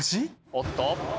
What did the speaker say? おっと？